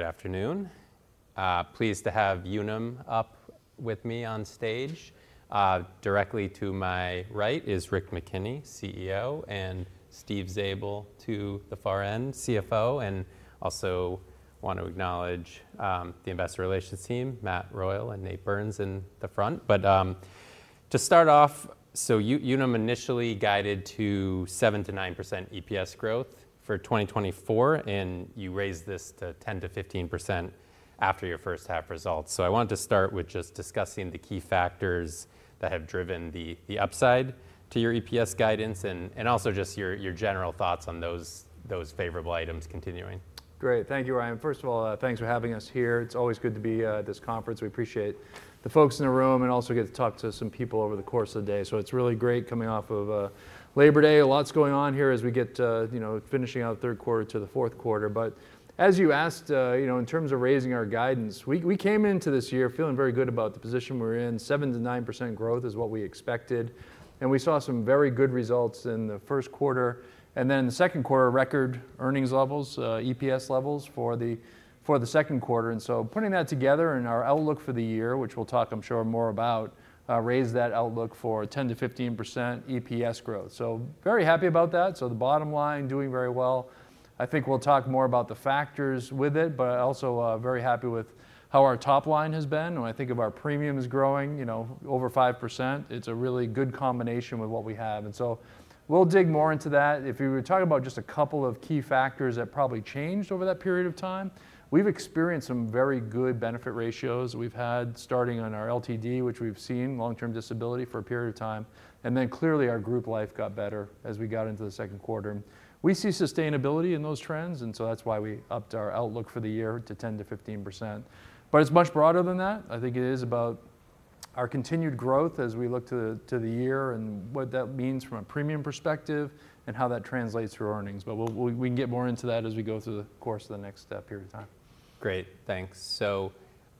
Good afternoon. Pleased to have Unum up with me on stage. Directly to my right is Rick McKenney, CEO, and Steve Zabel to the far end, CFO, and also want to acknowledge the investor relations team, Matt Royal and Nate Burns in the front. But to start off, Unum initially guided to 7%-9% EPS growth for 2024, and you raised this to 10%-15% after your first half results. So I wanted to start with just discussing the key factors that have driven the upside to your EPS guidance and also just your general thoughts on those favorable items continuing. Great. Thank you, Ryan. First of all, thanks for having us here. It's always good to be at this conference. We appreciate the folks in the room and also get to talk to some people over the course of the day. So it's really great coming off of Labor Day. A lot's going on here as we get to, you know, finishing out third quarter to the fourth quarter. But as you asked, you know, in terms of raising our guidance, we came into this year feeling very good about the position we're in. 7%-9% growth is what we expected, and we saw some very good results in the first quarter, and then the second quarter, record earnings levels, EPS levels for the second quarter. And so putting that together in our outlook for the year, which we'll talk, I'm sure, more about, raised that outlook for 10%-15% EPS growth. So very happy about that. So the bottom line, doing very well. I think we'll talk more about the factors with it, but I also very happy with how our top line has been. When I think of our premiums growing, you know, over 5%, it's a really good combination with what we have, and so we'll dig more into that. If you were talking about just a couple of key factors that probably changed over that period of time, we've experienced some very good benefit ratios. We've had starting on our LTD, which we've seen long-term disability for a period of time, and then clearly, our group life got better as we got into the second quarter. We see sustainability in those trends, and so that's why we upped our outlook for the year to 10%-15%. But it's much broader than that. I think it is about our continued growth as we look to the year and what that means from a premium perspective and how that translates through earnings. But we can get more into that as we go through the course of the next period of time. Great, thanks. So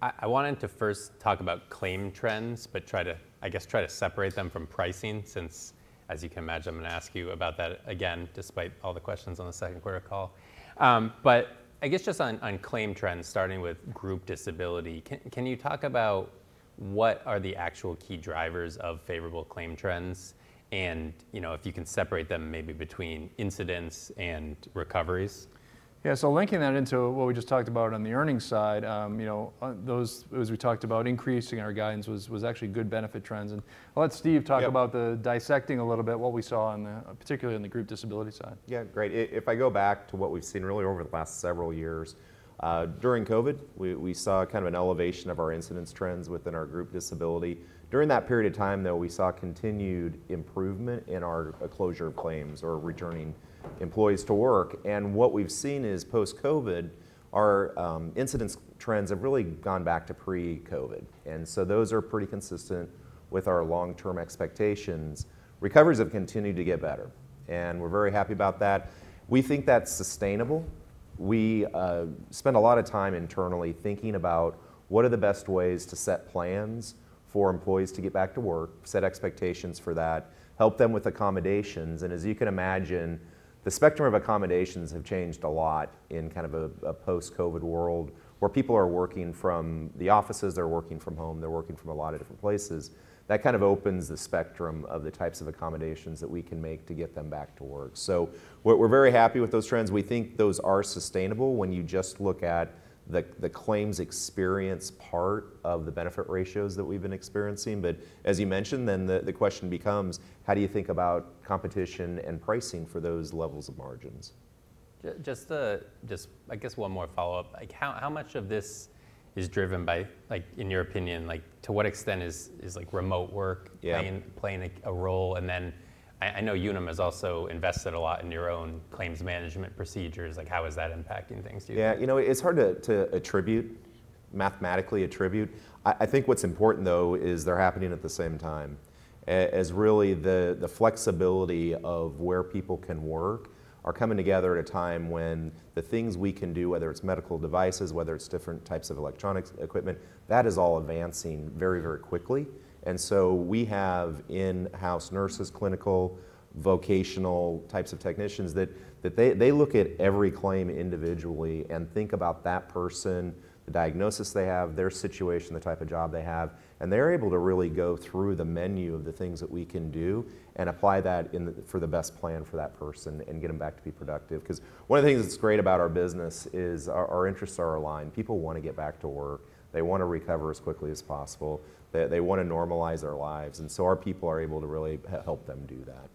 I wanted to first talk about claim trends, but try to... I guess, try to separate them from pricing, since, as you can imagine, I'm gonna ask you about that again, despite all the questions on the second quarter call. But I guess just on claim trends, starting with group disability, can you talk about what are the actual key drivers of favorable claim trends? And, you know, if you can separate them maybe between incidence and recoveries. Yeah, so linking that into what we just talked about on the earnings side, you know, those, as we talked about, increasing our guidance was actually good benefit trends. And I'll let Steve- Yep. Talk about dissecting a little bit, what we saw on the, particularly in the group disability side. Yeah, great. If I go back to what we've seen really over the past several years, during COVID, we saw kind of an elevation of our incidence trends within our group disability. During that period of time, though, we saw continued improvement in our closure of claims or returning employees to work, and what we've seen is post-COVID, our incidence trends have really gone back to pre-COVID. And so those are pretty consistent with our long-term expectations. Recoveries have continued to get better, and we're very happy about that. We think that's sustainable. We spend a lot of time internally thinking about what are the best ways to set plans for employees to get back to work, set expectations for that, help them with accommodations, and as you can imagine, the spectrum of accommodations have changed a lot in kind of a post-COVID world, where people are working from the offices, they're working from home, they're working from a lot of different places. That kind of opens the spectrum of the types of accommodations that we can make to get them back to work. We're very happy with those trends. We think those are sustainable when you just look at the claims experience part of the benefit ratios that we've been experiencing. But as you mentioned, then the question becomes: how do you think about competition and pricing for those levels of margins? Just, I guess, one more follow-up. Like, how much of this is driven by, like, in your opinion, like, to what extent is, like, remote work- Yeah... playing a role? And then I know Unum has also invested a lot in your own claims management procedures. Like, how is that impacting things too? Yeah, you know, it's hard to mathematically attribute. I think what's important, though, is they're happening at the same time, as really the flexibility of where people can work are coming together at a time when the things we can do, whether it's medical devices, whether it's different types of electronics equipment, that is all advancing very, very quickly. And so we have in-house nurses, clinical, vocational types of technicians, that they look at every claim individually and think about that person, the diagnosis they have, their situation, the type of job they have, and they're able to really go through the menu of the things that we can do and apply that for the best plan for that person and get them back to be productive. Because one of the things that's great about our business is our interests are aligned. People want to get back to work. They want to recover as quickly as possible. They want to normalize their lives, and so our people are able to really help them do that.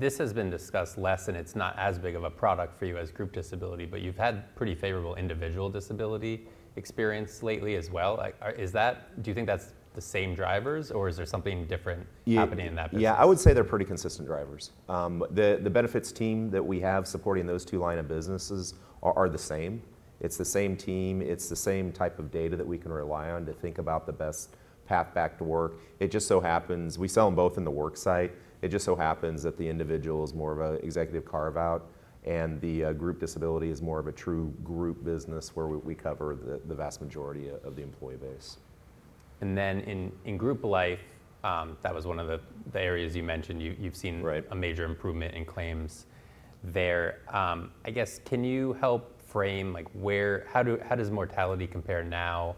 This has been discussed less, and it's not as big of a product for you as group disability, but you've had pretty favorable individual disability experience lately as well. Like, is that do you think that's the same drivers, or is there something different? Yeah... happening in that business? Yeah, I would say they're pretty consistent drivers. The benefits team that we have supporting those two lines of business are the same. It's the same team. It's the same type of data that we can rely on to think about the best path back to work. It just so happens we sell them both in the worksite. It just so happens that the individual is more of an executive carve-out, and the group disability is more of a true group business, where we cover the vast majority of the employee base. And then in group life, that was one of the areas you mentioned, you, you've seen- Right a major improvement in claims there. I guess, can you help frame like where, how do, how does mortality compare now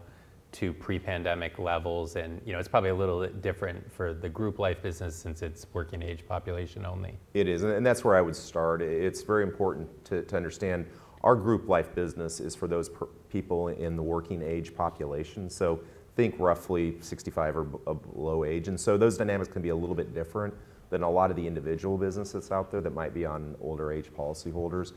to pre-pandemic levels? And, you know, it's probably a little bit different for the group life business since it's working age population only. It is, and that's where I would start. It's very important to understand our group life business is for those people in the working age population, so think roughly 65 or below age. And so those dynamics can be a little bit different than a lot of the individual businesses out there that might be on older age policy holders.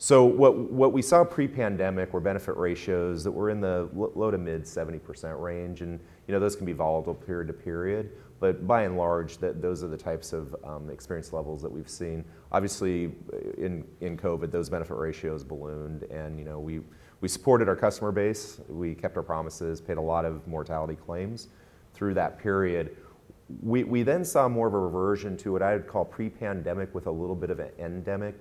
So what we saw pre-pandemic were benefit ratios that were in the low to mid-70% range, and, you know, those can be volatile period to period, but by and large, those are the types of experience levels that we've seen. Obviously, in COVID, those benefit ratios ballooned and, you know, we supported our customer base, we kept our promises, paid a lot of mortality claims through that period. We then saw more of a reversion to what I would call pre-pandemic, with a little bit of an endemic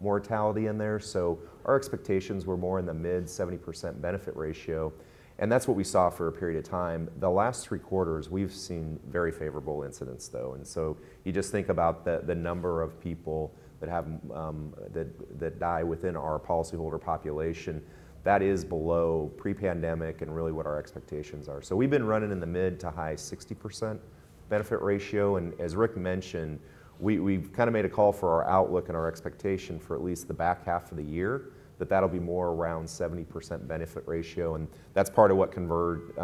mortality in there. So our expectations were more in the mid-70% benefit ratio, and that's what we saw for a period of time. The last three quarters, we've seen very favorable incidence, though, and so you just think about the number of people that die within our policyholder population. That is below pre-pandemic and really what our expectations are. We've been running in the mid- to high 60% benefit ratio, and as Rick mentioned, we've kinda made a call for our outlook and our expectation for at least the back half of the year, that'll be more around 70% benefit ratio, and that's part of what convert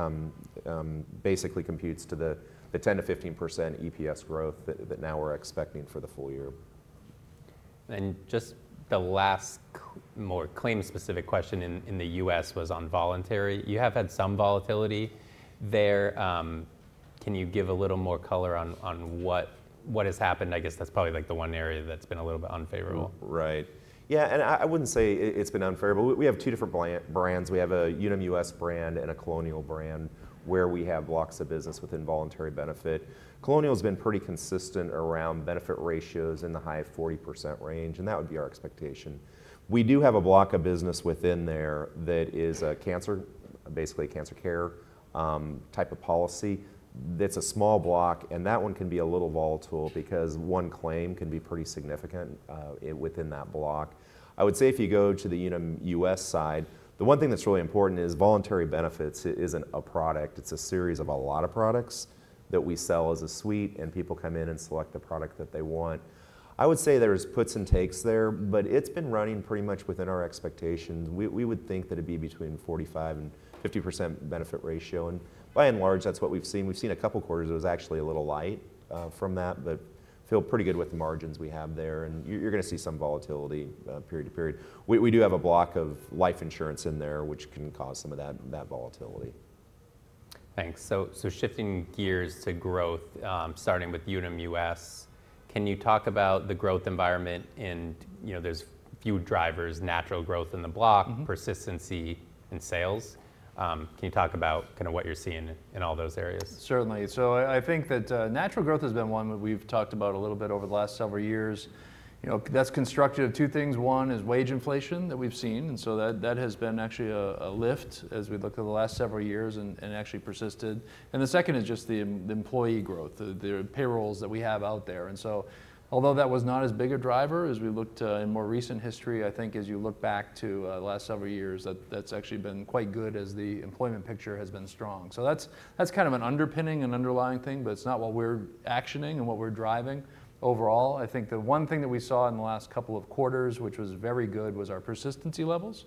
basically computes to the 10- to 15% EPS growth that now we're expecting for the full year. Just the last, more claim-specific question in the U.S. was on voluntary. You have had some volatility there. Can you give a little more color on what has happened? I guess that's probably like the one area that's been a little bit unfavorable. Right. Yeah, and I wouldn't say it's been unfavorable. We have two different brands. We have a Unum US brand and a Colonial brand, where we have blocks of business within voluntary benefit. Colonial has been pretty consistent around benefit ratios in the high 40% range, and that would be our expectation. We do have a block of business within there that is a cancer, basically cancer care, type of policy. That's a small block, and that one can be a little volatile because one claim can be pretty significant within that block. I would say if you go to the Unum US side, the one thing that's really important is voluntary benefits isn't a product, it's a series of a lot of products that we sell as a suite, and people come in and select the product that they want. I would say there's puts and takes there, but it's been running pretty much within our expectations. We would think that it'd be between 45% and 50% benefit ratio, and by and large, that's what we've seen. We've seen a couple quarters. It was actually a little light from that, but feel pretty good with the margins we have there, and you're gonna see some volatility period to period. We do have a block of life insurance in there, which can cause some of that volatility. Thanks. So, shifting gears to growth, starting with Unum US, can you talk about the growth environment in... You know, there's few drivers, natural growth in the block. Mm-hmm... persistency in sales. Can you talk about kinda what you're seeing in all those areas? Certainly. So I think that natural growth has been one that we've talked about a little bit over the last several years. You know, that's constructed of two things. One is wage inflation that we've seen, and so that has been actually a lift as we look at the last several years and actually persisted. And the second is just the employee growth, the payrolls that we have out there. And so although that was not as big a driver as we looked in more recent history, I think as you look back to the last several years, that's actually been quite good as the employment picture has been strong. So that's kind of an underpinning and underlying thing, but it's not what we're actioning and what we're driving overall. I think the one thing that we saw in the last couple of quarters, which was very good, was our persistency levels.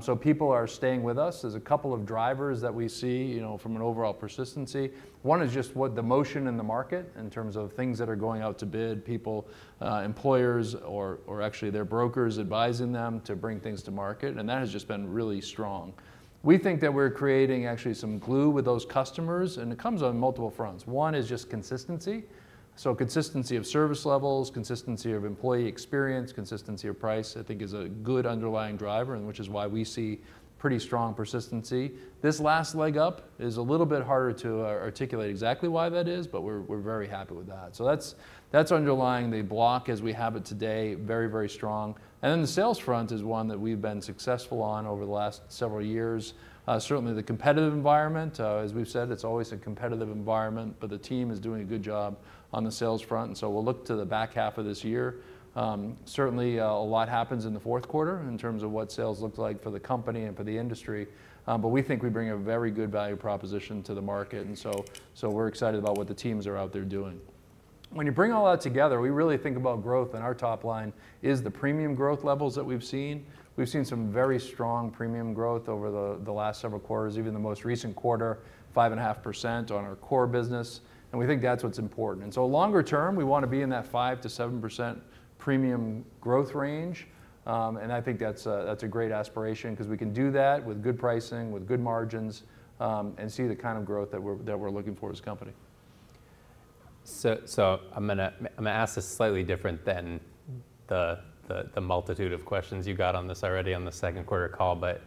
So people are staying with us. There's a couple of drivers that we see, you know, from an overall persistency. One is just what the motion in the market in terms of things that are going out to bid, people, employers or actually their brokers advising them to bring things to market, and that has just been really strong. We think that we're creating actually some glue with those customers, and it comes on multiple fronts. One is just consistency. So consistency of service levels, consistency of employee experience, consistency of price, I think is a good underlying driver, and which is why we see pretty strong persistency. This last leg up is a little bit harder to articulate exactly why that is, but we're very happy with that. So that's underlying the block as we have it today, very, very strong. And then, the sales front is one that we've been successful on over the last several years. Certainly the competitive environment, as we've said, it's always a competitive environment, but the team is doing a good job on the sales front, and so we'll look to the back half of this year. Certainly, a lot happens in the fourth quarter in terms of what sales look like for the company and for the industry, but we think we bring a very good value proposition to the market, and so we're excited about what the teams are out there doing. When you bring all that together, we really think about growth, and our top line is the premium growth levels that we've seen. We've seen some very strong premium growth over the last several quarters, even the most recent quarter, 5.5% on our core business, and we think that's what's important, and so longer term, we want to be in that 5%-7% premium growth range, and I think that's a great aspiration 'cause we can do that with good pricing, with good margins, and see the kind of growth that we're looking for as a company. So I'm gonna ask this slightly different than the multitude of questions you got on this already on the second quarter call. But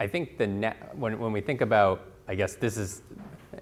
I think when we think about, I guess this is,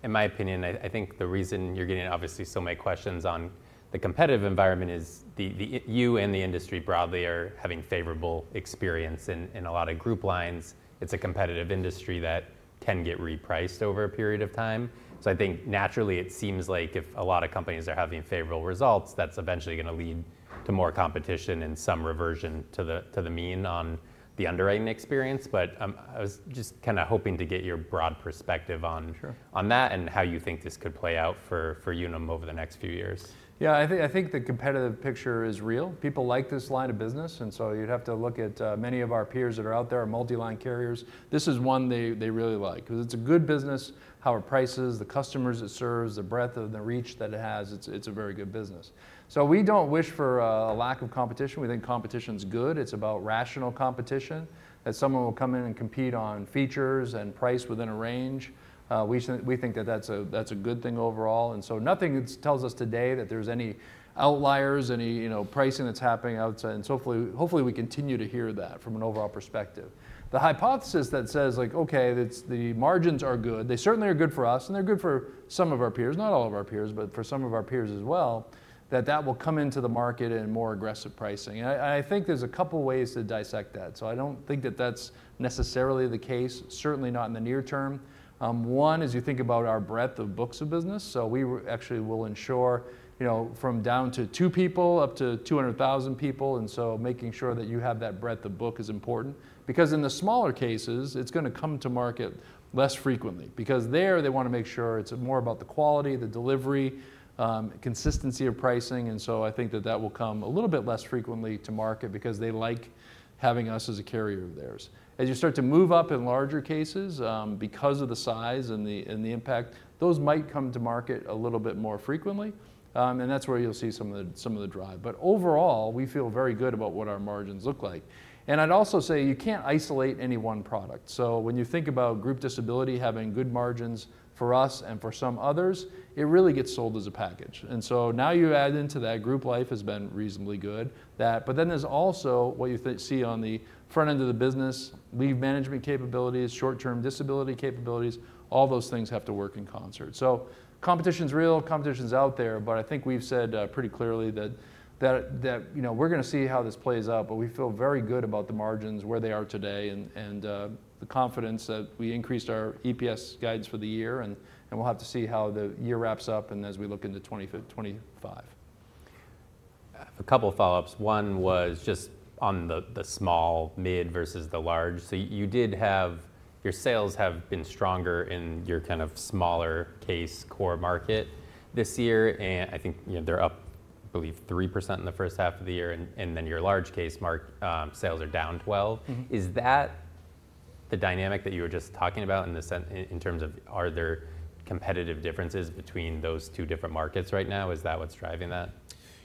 in my opinion, I think the reason you're getting obviously so many questions on the competitive environment is that you and the industry broadly are having favorable experience in a lot of group lines. It's a competitive industry that can get repriced over a period of time. So I think naturally, it seems like if a lot of companies are having favorable results, that's eventually gonna lead to more competition and some reversion to the mean on the underwriting experience. But I was just kinda hoping to get your broad perspective on Sure on that, and how you think this could play out for Unum over the next few years. Yeah, I think, I think the competitive picture is real. People like this line of business, and so you'd have to look at, many of our peers that are out there, are multi-line carriers. This is one they, they really like. 'Cause it's a good business, how it prices, the customers it serves, the breadth of the reach that it has, it's, it's a very good business. So we don't wish for, a lack of competition. We think competition's good. It's about rational competition, that someone will come in and compete on features and price within a range. We think that that's a, that's a good thing overall, and so nothing tells us today that there's any outliers, any, you know, pricing that's happening outside. And so hopefully, hopefully, we continue to hear that from an overall perspective. The hypothesis that says like, "Okay, it's the margins are good," they certainly are good for us, and they're good for some of our peers, not all of our peers, but for some of our peers as well, that that will come into the market in more aggressive pricing. And I think there's a couple of ways to dissect that, so I don't think that that's necessarily the case, certainly not in the near term. One, as you think about our breadth of books of business, so we actually will ensure, you know, from down to two people up to 200,000 people, and so making sure that you have that breadth of book is important. Because in the smaller cases, it's gonna come to market less frequently, because there, they wanna make sure it's more about the quality, the delivery, consistency of pricing, and so I think that will come a little bit less frequently to market because they like having us as a carrier of theirs. As you start to move up in larger cases, because of the size and the impact, those might come to market a little bit more frequently. And that's where you'll see some of the drive. But overall, we feel very good about what our margins look like. And I'd also say, you can't isolate any one product. So when you think about group disability having good margins for us and for some others, it really gets sold as a package. And so now you add into that group life has been reasonably good. That, but then there's also what you see on the front end of the business, leave management capabilities, short-term disability capabilities, all those things have to work in concert. So competition's real, competition's out there, but I think we've said pretty clearly that you know, we're gonna see how this plays out, but we feel very good about the margins, where they are today, and the confidence that we increased our EPS guides for the year, and we'll have to see how the year wraps up, and as we look into 2025. A couple of follow-ups. One was just on the small, mid, versus the large. So you did have your sales have been stronger in your kind of smaller case core market this year, and I think, you know, they're up, I believe, 3% in the first half of the year, and then your large case market sales are down 12%. Mm-hmm. Is that the dynamic that you were just talking about in terms of, are there competitive differences between those two different markets right now? Is that what's driving that?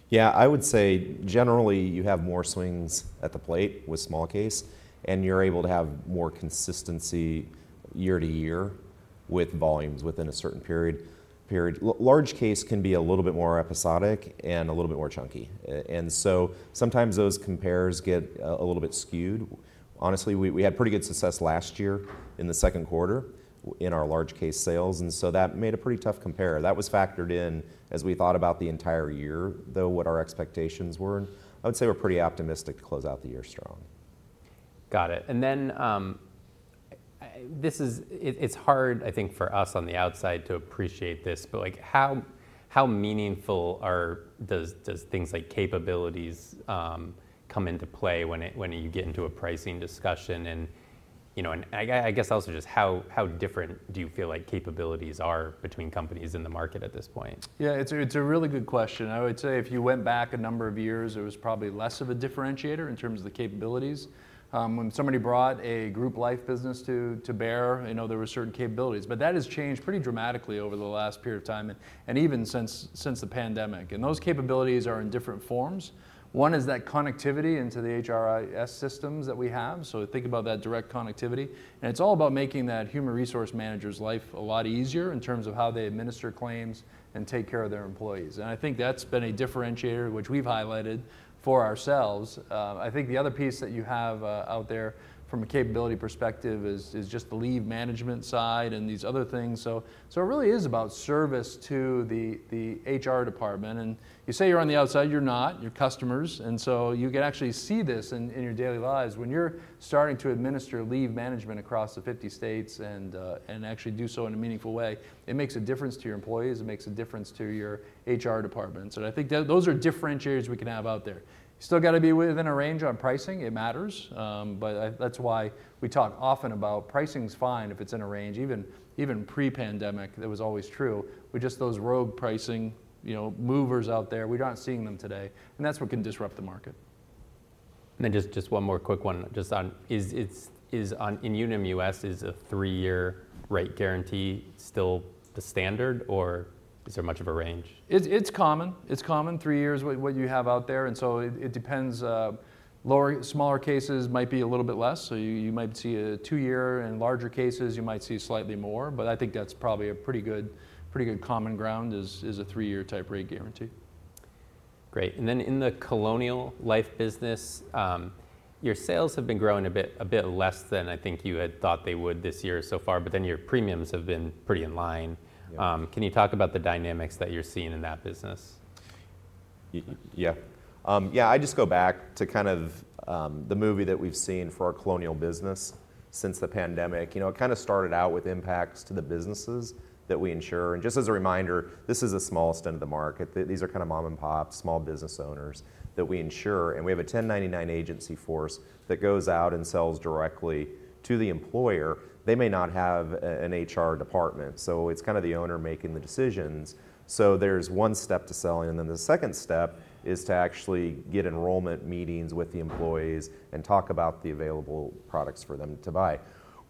Yeah, I would say generally, you have more swings at the plate with small case, and you're able to have more consistency year to year with volumes within a certain period. Large case can be a little bit more episodic and a little bit more chunky. And so sometimes those compares get a little bit skewed. Honestly, we had pretty good success last year in the second quarter in our large case sales, and so that made a pretty tough compare. That was factored in as we thought about the entire year, though, what our expectations were. I would say we're pretty optimistic to close out the year strong. Got it. And then, this is... It's hard, I think, for us on the outside to appreciate this, but, like, how meaningful are things like capabilities come into play when you get into a pricing discussion? And, you know, I guess also just how different do you feel like capabilities are between companies in the market at this point? Yeah, it's a really good question. I would say if you went back a number of years, it was probably less of a differentiator in terms of the capabilities. When somebody brought a group life business to bear, you know, there were certain capabilities, but that has changed pretty dramatically over the last period of time, and even since the pandemic, and those capabilities are in different forms. One is that connectivity into the HRIS systems that we have, so think about that direct connectivity. And it's all about making that human resource manager's life a lot easier in terms of how they administer claims and take care of their employees, and I think that's been a differentiator, which we've highlighted for ourselves. I think the other piece that you have out there from a capability perspective is just the leave management side and these other things. So it really is about service to the HR department. And you say you're on the outside, you're not, you're customers, and so you can actually see this in your daily lives. When you're starting to administer leave management across the fifty states and actually do so in a meaningful way, it makes a difference to your employees, it makes a difference to your HR departments, and I think that those are differentiators we can have out there. You still gotta be within a range on pricing, it matters. But that's why we talk often about pricing is fine if it's in a range. Even pre-pandemic, that was always true, but just those rogue pricing, you know, movers out there. We're not seeing them today, and that's what can disrupt the market. Just one more quick one. Just on in Unum US, is a three-year rate guarantee still the standard, or is there much of a range? It's common. It's common three years, with what you have out there, and so it depends. Smaller cases might be a little bit less, so you might see a two-year, and larger cases, you might see slightly more, but I think that's probably a pretty good common ground, is a three-year type rate guarantee. Great, and then in the Colonial Life business, your sales have been growing a bit, a bit less than I think you had thought they would this year so far, but then your premiums have been pretty in line. Yeah. Can you talk about the dynamics that you're seeing in that business? Yeah. Yeah, I just go back to kind of the movie that we've seen for our Colonial business since the pandemic. You know, it kind of started out with impacts to the businesses that we insure. And just as a reminder, this is the smallest end of the market. These are kind of mom-and-pop, small business owners that we insure, and we have a 1099 agency force that goes out and sells directly to the employer. They may not have a, an HR department, so it's kind of the owner making the decisions. So there's one step to selling, and then the second step is to actually get enrollment meetings with the employees and talk about the available products for them to buy.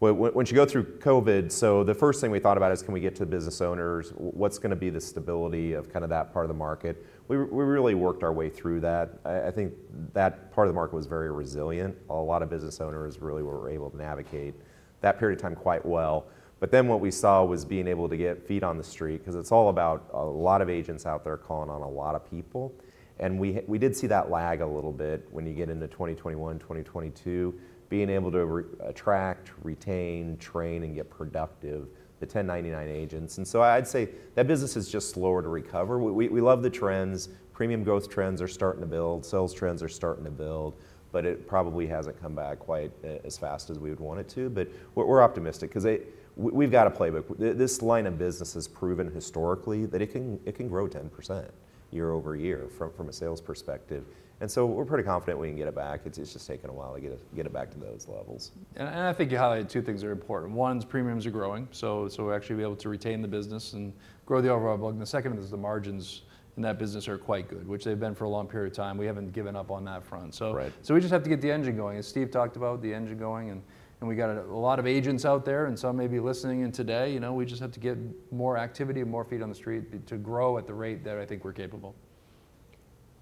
Once you go through COVID, so the first thing we thought about is: Can we get to the business owners? What's gonna be the stability of kind of that part of the market? We really worked our way through that. I think that part of the market was very resilient. A lot of business owners really were able to navigate that period of time quite well. But then, what we saw was being able to get feet on the street, 'cause it's all about a lot of agents out there calling on a lot of people, and we did see that lag a little bit when you get into 2021, 2022, being able to attract, retain, train, and get productive, the 1099 agents. And so I'd say that business is just slower to recover. We love the trends. Premium growth trends are starting to build, sales trends are starting to build, but it probably hasn't come back quite as fast as we would want it to. But we're optimistic, 'cause we, we've got a playbook. This line of business has proven historically that it can grow 10% year over year from a sales perspective, and so we're pretty confident we can get it back. It's just taking a while to get it back to those levels. I think you highlighted two things that are important. One is premiums are growing, so we're actually able to retain the business and grow the overall book. The second is the margins in that business are quite good, which they've been for a long period of time. We haven't given up on that front. So- Right. So we just have to get the engine going. As Steve talked about, the engine going, and we got a lot of agents out there and some may be listening in today. You know, we just have to get more activity and more feet on the street to grow at the rate that I think we're capable.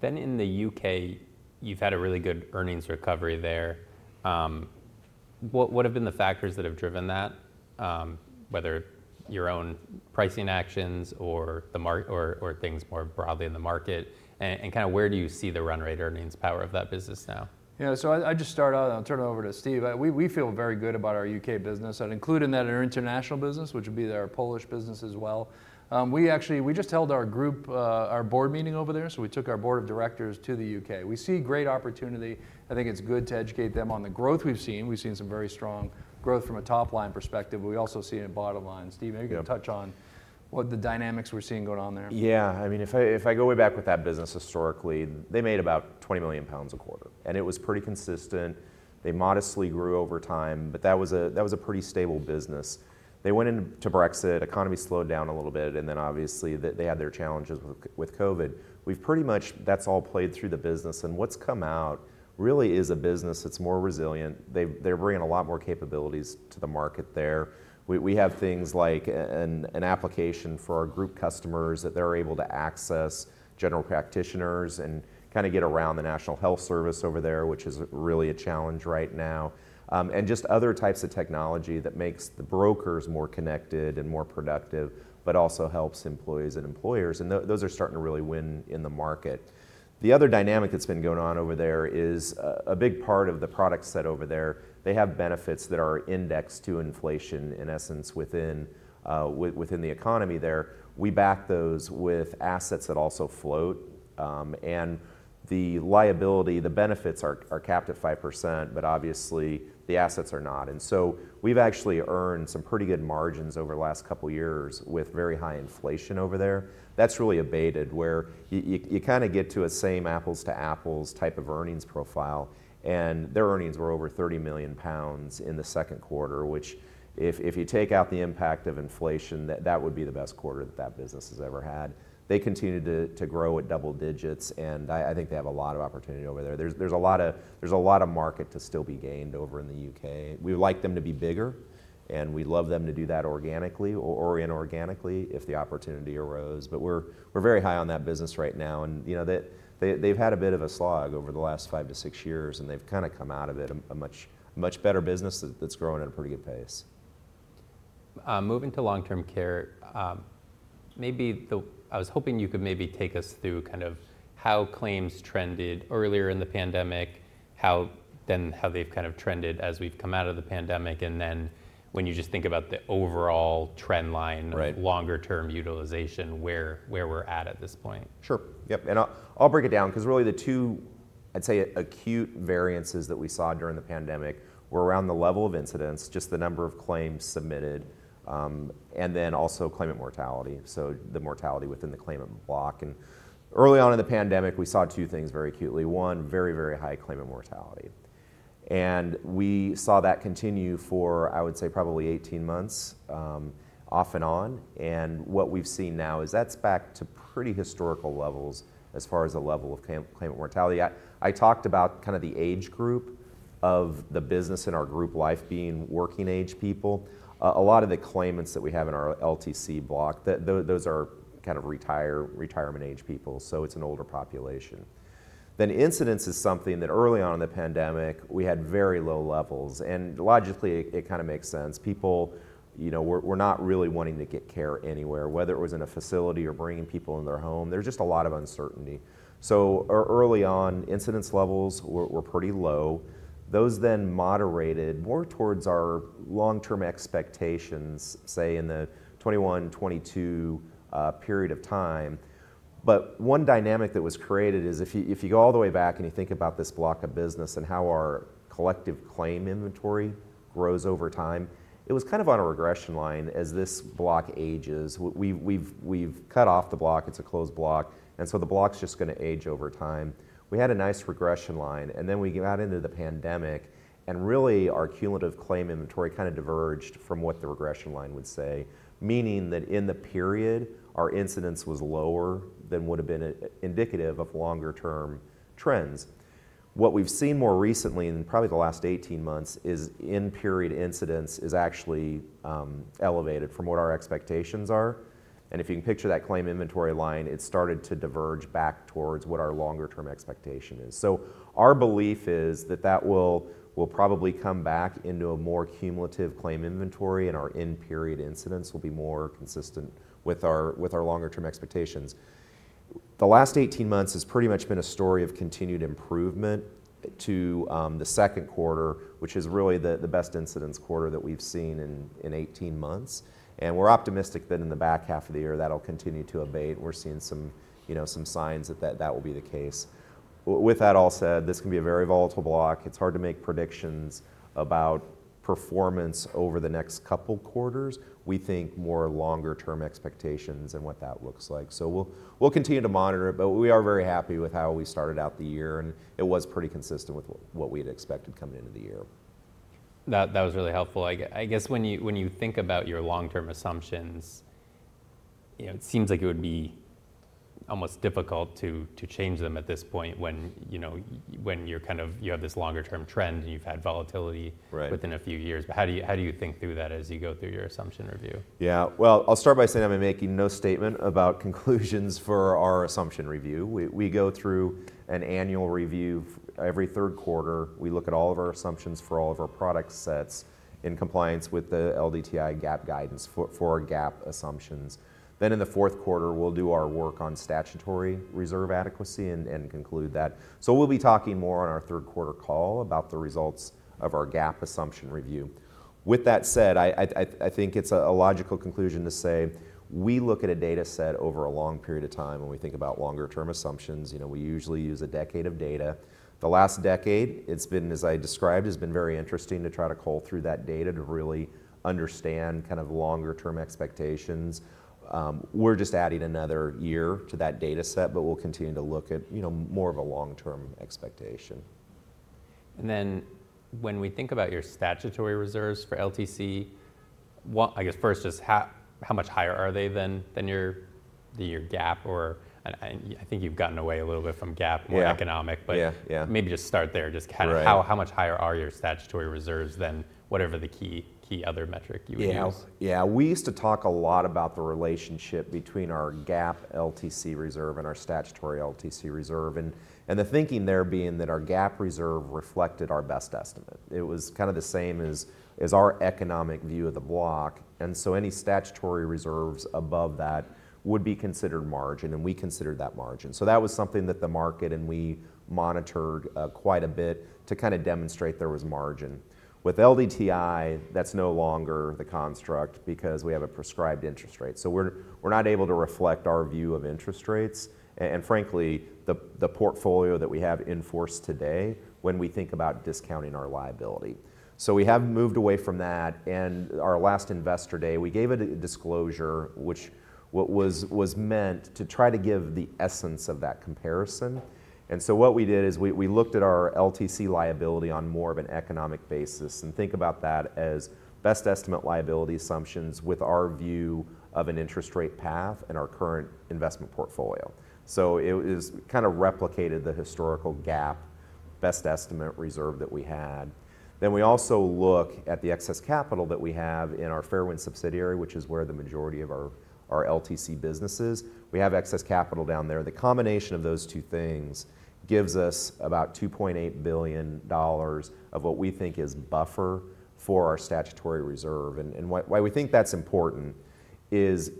Then in the U.K., you've had a really good earnings recovery there. What have been the factors that have driven that? Whether your own pricing actions or things more broadly in the market, and kinda where do you see the run rate earnings power of that business now? Yeah, so I'd just start out, and I'll turn it over to Steve. We feel very good about our UK business, and including that, in our international business, which would be our Polish business as well. We actually just held our group board meeting over there, so we took our board of directors to the UK. We see great opportunity. I think it's good to educate them on the growth we've seen. We've seen some very strong growth from a top-line perspective, but we also see it in bottom line. Steve, maybe you can touch on- Yeah... what the dynamics we're seeing going on there. Yeah, I mean, if I go way back with that business historically, they made about 20 million pounds a quarter, and it was pretty consistent. They modestly grew over time, but that was a pretty stable business. They went into Brexit, economy slowed down a little bit, and then obviously, they had their challenges with COVID. We've pretty much. That's all played through the business, and what's come out really is a business that's more resilient. They've. They're bringing a lot more capabilities to the market there. We have things like an application for our group customers, that they're able to access general practitioners and kinda get around the National Health Service over there, which is really a challenge right now. and just other types of technology that makes the brokers more connected and more productive, but also helps employees and employers, and those are starting to really win in the market. The other dynamic that's been going on over there is, a big part of the product set over there. They have benefits that are indexed to inflation, in essence, within the economy there. We back those with assets that also float, and the liability, the benefits are capped at 5%, but obviously, the assets are not. And so we've actually earned some pretty good margins over the last couple of years with very high inflation over there. That's really abated, where you kinda get to a same apples-to-apples type of earnings profile, and their earnings were over 30 million pounds in the second quarter, which if you take out the impact of inflation, that would be the best quarter that that business has ever had. They continued to grow at double digits, and I think they have a lot of opportunity over there. There's a lot of market to still be gained over in the UK. We would like them to be bigger, and we'd love them to do that organically or inorganically if the opportunity arose. But we're very high on that business right now, and, you know, they've had a bit of a slog over the last five to six years, and they've kinda come out of it a much better business that's growing at a pretty good pace. Moving to long-term care, I was hoping you could maybe take us through kind of how claims trended earlier in the pandemic, then how they've kind of trended as we've come out of the pandemic, and then when you just think about the overall trend line? Right... longer-term utilization, where we're at this point. Sure. Yep, and I'll break it down, 'cause really, the two, I'd say, acute variances that we saw during the pandemic were around the level of incidence, just the number of claims submitted, and then also claimant mortality, so the mortality within the claimant block. And early on in the pandemic, we saw two things very acutely. One, very, very high claimant mortality, and we saw that continue for, I would say, probably 18 months, off and on. And what we've seen now is that's back to pretty historical levels as far as the level of claimant mortality. I talked about kind of the age group of the business in our group life being working age people. A lot of the claimants that we have in our LTC block, those are kind of retirement age people, so it's an older population. Then incidence is something that early on in the pandemic, we had very low levels, and logically, it kind of makes sense. People, you know, were not really wanting to get care anywhere, whether it was in a facility or bringing people in their home. There was just a lot of uncertainty. So early on, incidence levels were pretty low. Those then moderated more towards our long-term expectations, say, in the 2021, 2022 period of time. But one dynamic that was created is if you go all the way back and you think about this block of business and how our collective claim inventory grows over time, it was kind of on a regression line as this block ages. We've cut off the block, it's a closed block, and so the block's just gonna age over time. We had a nice regression line, and then we got into the pandemic, and really, our cumulative claim inventory kind of diverged from what the regression line would say, meaning that in the period, our incidence was lower than would have been indicative of longer term trends. What we've seen more recently, in probably the last 18 months, is in-period incidence is actually elevated from what our expectations are. And if you can picture that claim inventory line, it started to diverge back towards what our longer term expectation is. So our belief is that that will, will probably come back into a more cumulative claim inventory, and our in-period incidence will be more consistent with our, with our longer term expectations. The last 18 months has pretty much been a story of continued improvement to the second quarter, which is really the best incidence quarter that we've seen in 18 months, and we're optimistic that in the back half of the year, that'll continue to abate. We're seeing some, you know, signs that will be the case. With that all said, this can be a very volatile block. It's hard to make predictions about performance over the next couple quarters. We think more longer term expectations and what that looks like. So we'll continue to monitor it, but we are very happy with how we started out the year, and it was pretty consistent with what we had expected coming into the year. That was really helpful. I guess when you think about your long-term assumptions, you know, it seems like it would be almost difficult to change them at this point when, you know, when you're kind of... You have this longer term trend, and you've had volatility- Right... within a few years. But how do you think through that as you go through your assumption review? Yeah. Well, I'll start by saying I'm making no statement about conclusions for our assumption review. We go through an annual review every third quarter. We look at all of our assumptions for all of our product sets in compliance with the LDTI GAAP guidance for our GAAP assumptions. Then in the fourth quarter, we'll do our work on statutory reserve adequacy and conclude that. So we'll be talking more on our third quarter call about the results of our GAAP assumption review. With that said, I think it's a logical conclusion to say we look at a data set over a long period of time when we think about longer term assumptions. You know, we usually use a decade of data. The last decade, it's been, as I described, has been very interesting to try to cull through that data to really understand kind of longer term expectations. We're just adding another year to that data set, but we'll continue to look at, you know, more of a long-term expectation. When we think about your statutory reserves for LTC, what I guess first, just how much higher are they than your GAAP or... I think you've gotten away a little bit from GAAP. Yeah... more economic, but- Yeah, yeah. Maybe just start there. Right. Just kind of how much higher are your statutory reserves than whatever the key other metric you would use? Yeah. Yeah, we used to talk a lot about the relationship between our GAAP LTC reserve and our statutory LTC reserve, and the thinking there being that our GAAP reserve reflected our best estimate. It was kind of the same as our economic view of the block, and so any statutory reserves above that would be considered margin, and we considered that margin. So that was something that the market and we monitored quite a bit to kind of demonstrate there was margin. With LDTI, that's no longer the construct because we have a prescribed interest rate. So we're not able to reflect our view of interest rates, and frankly, the portfolio that we have in force today when we think about discounting our liability. We have moved away from that, and at our last investor day, we gave a detailed disclosure, which was meant to try to give the essence of that comparison. And so what we did is we looked at our LTC liability on more of an economic basis, and think about that as best estimate liability assumptions with our view of an interest rate path and our current investment portfolio. So it was kind of replicated the historical GAAP best estimate reserve that we had. Then we also look at the excess capital that we have in our Fairwind subsidiary, which is where the majority of our LTC business is. We have excess capital down there. The combination of those two things gives us about $2.8 billion of what we think is buffer for our statutory reserve. And why we think that's important is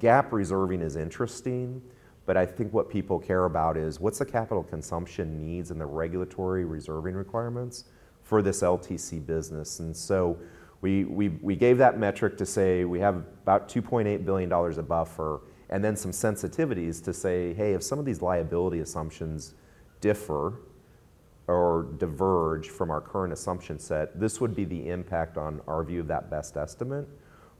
GAAP reserving is interesting, but I think what people care about is: What's the capital consumption needs and the regulatory reserving requirements for this LTC business? So we gave that metric to say we have about $2.8 billion of buffer, and then some sensitivities to say, "Hey, if some of these liability assumptions differ or diverge from our current assumption set, this would be the impact on our view of that best estimate,"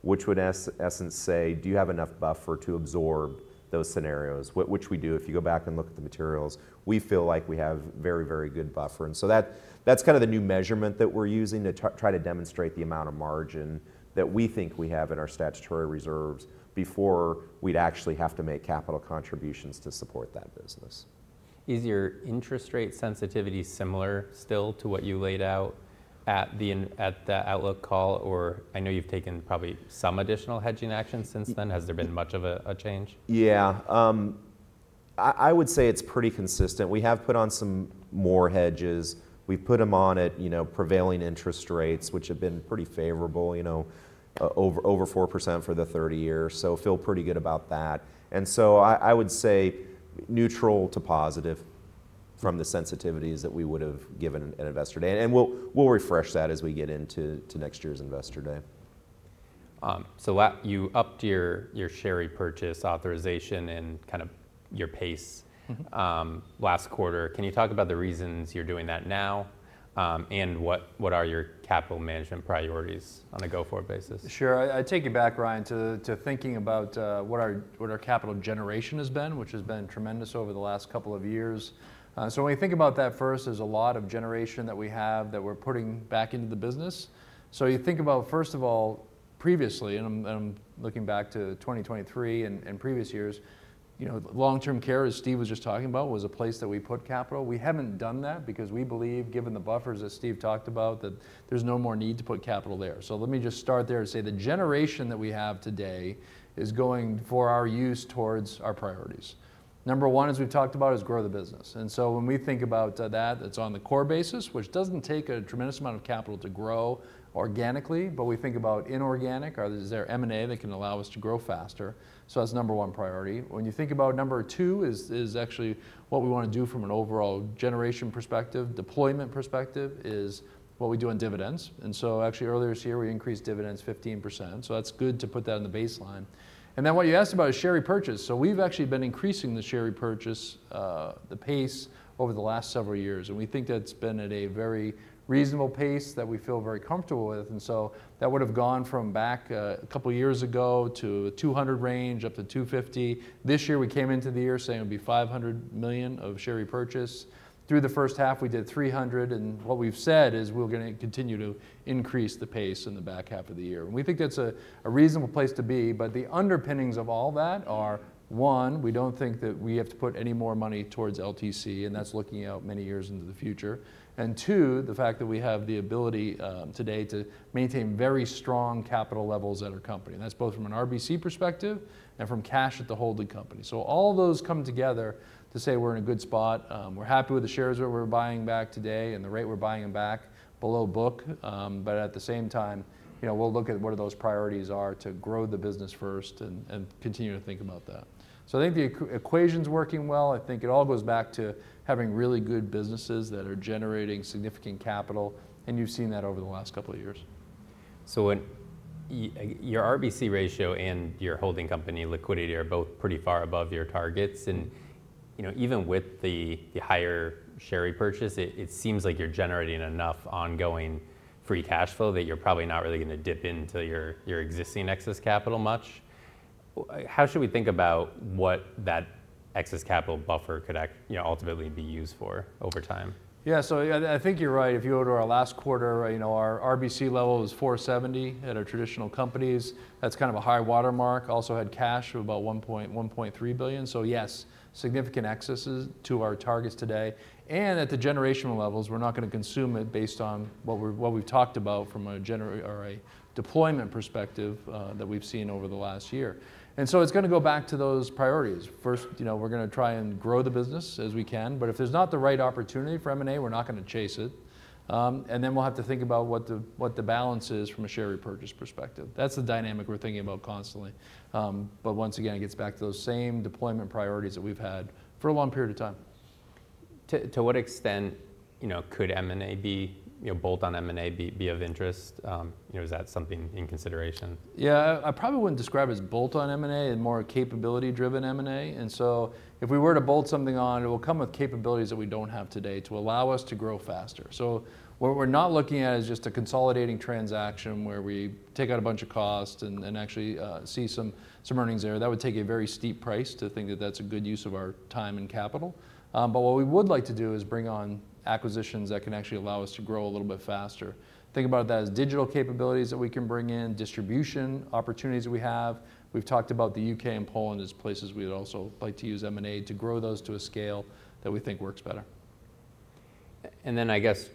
which would essentially say: Do you have enough buffer to absorb those scenarios? Which we do. If you go back and look at the materials, we feel like we have very, very good buffer. That, that's kind of the new measurement that we're using to try to demonstrate the amount of margin that we think we have in our statutory reserves before we'd actually have to make capital contributions to support that business. Is your interest rate sensitivity similar still to what you laid out at the end, at the outlook call, or I know you've taken probably some additional hedging action since then? Has there been much of a change? Yeah. I would say it's pretty consistent. We have put on some more hedges. We've put them on at, you know, prevailing interest rates, which have been pretty favorable, you know, over 4% for the 30 years, so feel pretty good about that. And so I would say neutral to positive from the sensitivities that we would've given an investor today, and we'll refresh that as we get into next year's Investor Day. So you upped your, your share repurchase authorization and kind of your pace- Mm-hmm... last quarter. Can you talk about the reasons you're doing that now? And what are your capital management priorities on a go-forward basis? Sure. I take you back, Ryan, to thinking about what our capital generation has been, which has been tremendous over the last couple of years. So when you think about that, first, there's a lot of generation that we have that we're putting back into the business. So you think about, first of all, previously, and I'm looking back to 2023 and previous years, you know, long-term care, as Steve was just talking about, was a place that we put capital. We haven't done that because we believe, given the buffers that Steve talked about, that there's no more need to put capital there. So let me just start there and say the generation that we have today is going for our use towards our priorities. Number one, as we've talked about, is grow the business, and so when we think about that, it's on the core basis, which doesn't take a tremendous amount of capital to grow organically, but we think about inorganic or is there M&A that can allow us to grow faster? So that's the number one priority. When you think about number two is actually what we wanna do from an overall generation perspective, deployment perspective, is what we do on dividends. And so actually, earlier this year, we increased dividends 15%, so that's good to put that in the baseline. And then what you asked about is share repurchase. So we've actually been increasing the share repurchase, the pace over the last several years, and we think that's been at a very reasonable pace that we feel very comfortable with, and so that would have gone from back, a couple of years ago to $200 million range, up to $250 million. This year, we came into the year saying it would be $500 million of share repurchase. Through the first half, we did $300 million, and what we've said is we're gonna continue to increase the pace in the back half of the year, and we think that's a reasonable place to be. But the underpinnings of all that are, one, we don't think that we have to put any more money towards LTC, and that's looking out many years into the future, and two, the fact that we have the ability today to maintain very strong capital levels at our company, and that's both from an RBC perspective and from cash at the holding company. So all those come together to say we're in a good spot. We're happy with the shares that we're buying back today and the rate we're buying them back, below book. But at the same time, you know, we'll look at what those priorities are to grow the business first and continue to think about that. So I think the equation's working well. I think it all goes back to having really good businesses that are generating significant capital, and you've seen that over the last couple of years. When your RBC ratio and your holding company liquidity are both pretty far above your targets, and, you know, even with the higher share repurchase, it seems like you're generating enough ongoing free cash flow that you're probably not really gonna dip into your existing excess capital much. How should we think about what that excess capital buffer could, you know, ultimately be used for over time? Yeah, so I think you're right. If you go to our last quarter, you know, our RBC level was 470% at our traditional companies. That's kind of a high watermark. Also had cash of about $1.3 billion. So yes, significant excesses to our targets today, and at the generational levels, we're not gonna consume it based on what we've talked about from a generational or a deployment perspective that we've seen over the last year. And so it's gonna go back to those priorities. First, you know, we're gonna try and grow the business as we can, but if there's not the right opportunity for M&A, we're not gonna chase it. And then we'll have to think about what the balance is from a share repurchase perspective. That's the dynamic we're thinking about constantly. But once again, it gets back to those same deployment priorities that we've had for a long period of time. To what extent, you know, could M&A be... you know, bolt-on M&A be of interest? You know, is that something in consideration? Yeah, I probably wouldn't describe it as bolt-on M&A and more a capability-driven M&A, and so if we were to bolt something on, it will come with capabilities that we don't have today to allow us to grow faster. So what we're not looking at is just a consolidating transaction, where we take out a bunch of costs and actually see some earnings there. That would take a very steep price to think that that's a good use of our time and capital. But what we would like to do is bring on acquisitions that can actually allow us to grow a little bit faster. Think about that as digital capabilities that we can bring in, distribution, opportunities that we have. We've talked about the U.K. and Poland as places we'd also like to use M&A to grow those to a scale that we think works better. And then I guess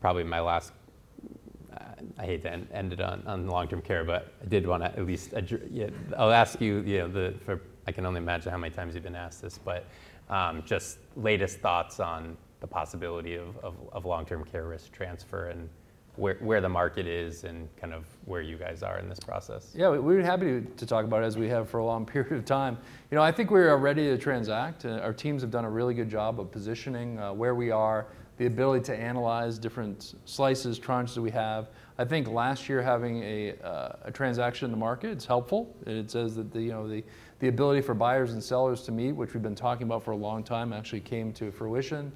probably my last. I hate to end it on the long-term care, but I did wanna at least address, yeah. I'll ask you, you know. I can only imagine how many times you've been asked this, but just latest thoughts on the possibility of long-term care risk transfer and where the market is and kind of where you guys are in this process. Yeah, we'd be happy to talk about it, as we have for a long period of time. You know, I think we are ready to transact, and our teams have done a really good job of positioning where we are, the ability to analyze different slices, tranches that we have. I think last year, having a transaction in the market, it's helpful. It says that you know, the ability for buyers and sellers to meet, which we've been talking about for a long time, actually came to fruition.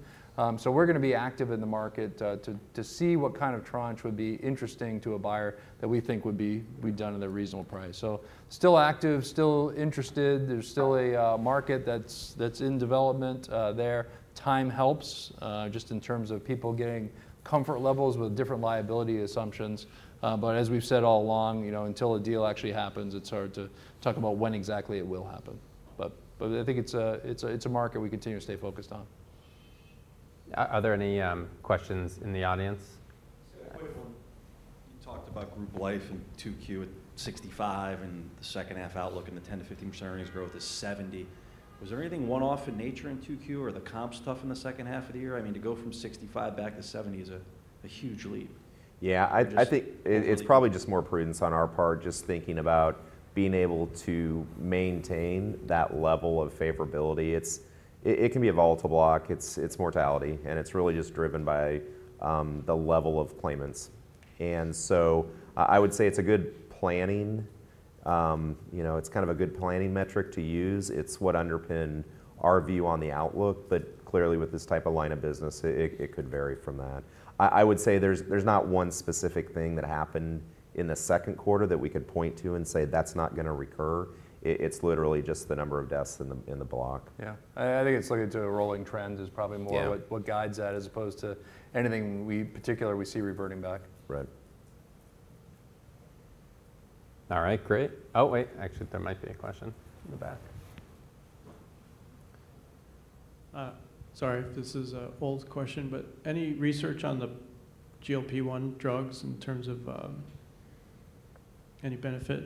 So we're gonna be active in the market to see what kind of tranche would be interesting to a buyer that we think would be done at a reasonable price. So still active, still interested. There's still a market that's in development there. Time helps, just in terms of people getting comfort levels with different liability assumptions. But as we've said all along, you know, until a deal actually happens, it's hard to talk about when exactly it will happen. But I think it's a market we continue to stay focused on. ... Are there any questions in the audience? Just a quick one. You talked about group life in Q2 at 65, and the second half outlook in the 10%-15% earnings growth is 70. Was there anything one-off in nature in Q2, or are the comps tough in the second half of the year? I mean, to go from 65 back to 70 is a huge leap. Yeah, I think it's probably just more prudence on our part, just thinking about being able to maintain that level of favorability. It's a volatile block. It's mortality, and it's really just driven by the level of claimants. And so I would say it's a good planning, you know, it's kind of a good planning metric to use. It's what underpinned our view on the outlook, but clearly, with this type of line of business, it could vary from that. I would say there's not one specific thing that happened in the second quarter that we could point to and say, "That's not gonna recur." It's literally just the number of deaths in the block. Yeah. I think it's looking to a rolling trend is probably more- Yeah... what guides that, as opposed to anything we particularly see reverting back. Right. All right, great. Oh, wait, actually, there might be a question in the back. Sorry if this is an old question, but any research on the GLP-1 drugs in terms of any benefit?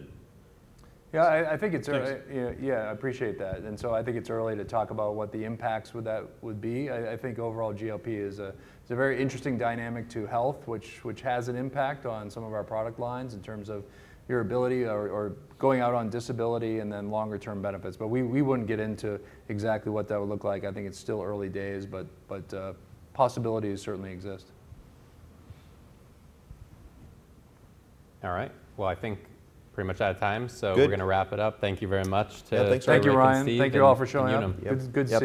Yeah, I think it's ear- Thanks. Yeah, yeah, I appreciate that. So I think it's early to talk about what the impacts would be. I think overall, GLP is a very interesting dynamic to health, which has an impact on some of our product lines in terms of your ability or going out on disability, and then longer term benefits. But we wouldn't get into exactly what that would look like. I think it's still early days, but possibilities certainly exist. All right. Well, I think we're pretty much out of time. Good... so we're gonna wrap it up. Thank you very much to- Yeah, thank you. Ryan, Steve. Thank you, Ryan. Thank you all for showing up. Yeah. Good, good stuff.